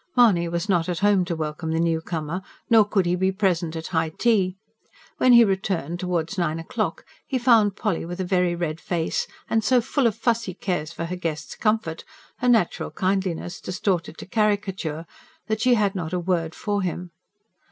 Mahony was not at home to welcome the new comer, nor could he be present at high tea. When he returned, towards nine o'clock, he found Polly with a very red face, and so full of fussy cares for her guest's comfort her natural kindliness distorted to caricature that she had not a word for him.